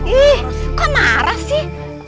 ih kok marah sih